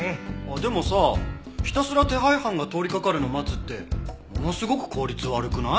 でもさひたすら手配犯が通りかかるの待つってものすごく効率悪くない？